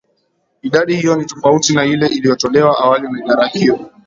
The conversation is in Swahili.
idadi hiyo ni tofauti na ile iliyotolewa awali na idara hiyo